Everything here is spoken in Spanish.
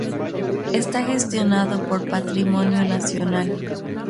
Está gestionado por Patrimonio Nacional.